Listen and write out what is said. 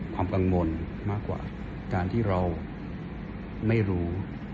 ความกังวลมากกว่าการที่เราไม่รู้